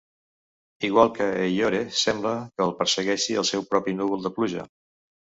Igual que Eeyore, sembla que el persegueixi el seu propi núvol de pluja.